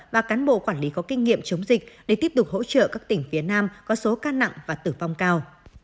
và cán bộ quản lý có kinh nghiệm chống dịch để tiếp tục hỗ trợ các tỉnh phía nam có số ca nặng và tử vong cao